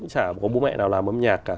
chả có bố mẹ nào làm âm nhạc cả